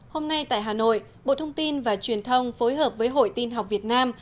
hôm nay tại hà nội bộ thông tin và truyền thông phối hợp với hội tin học việt nam